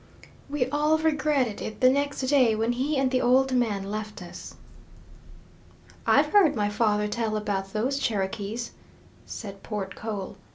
We all regretted it the next day when he and the old man left us. "I've heard my father tell about those Cherokees," said Port Cole.